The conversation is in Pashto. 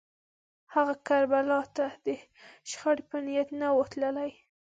هغه کربلا ته د شخړې په نیت نه و تللی